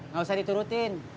gak usah diturutin